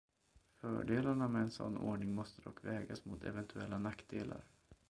Fördelarna med en sådan ordning måste dock vägas mot eventuella nackdelar.